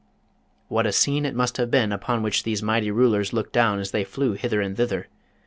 What a scene it must have been upon which these mighty rulers looked down as they flew hither and thither